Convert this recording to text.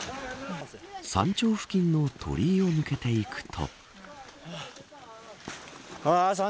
山頂付近の鳥居を抜けていくと。